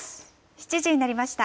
７時になりました。